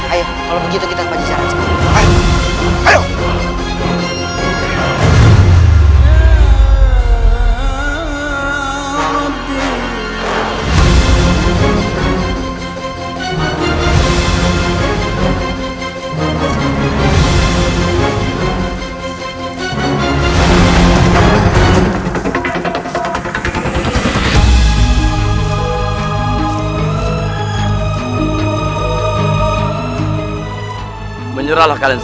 ayo kalau begitu kita ke pajejaran sekarang